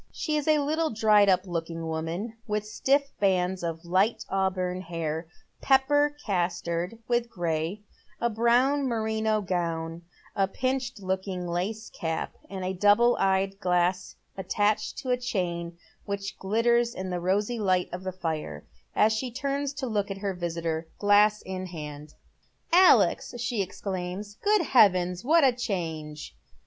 She is a Uttle dried up looking woman, with stifE bands of light auburn hair, pepper castored with gray ; a brown merino gown, a pinched looking lace cap, and a double eye glass attached to a chain which glitters in the rosy light of the fire, as she tunuc to look at her visitor, glass in hand. IB Dead Men's Shoes. " Alex !" she exclaims, " Good heavens, what a change."